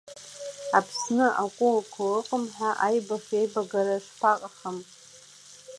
Аԥсны акәуақәа ыҟам ҳәа аибафеибагара шԥаҟахым.